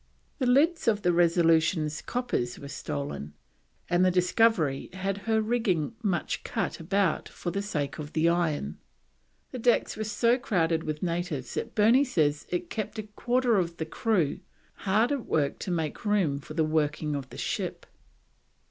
The lids of the Resolution's coppers were stolen, and the discovery had her rigging much cut about for the sake of the iron. The decks were so crowded with the natives that Burney says it kept a quarter of the crew hard at work to make room for the working of the ship.